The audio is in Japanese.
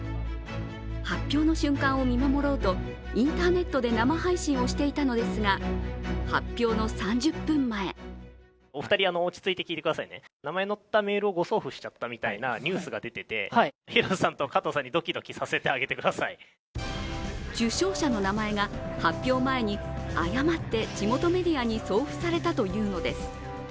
発表の瞬間を見守ろうとインターネットで生配信をしていたのですが、発表の３０分前受賞者の名前が発表前に誤って地元メディアに送付されたというのです。